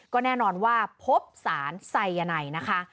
ก็แน่นอนว่าพบสารไซยาไนนะคะ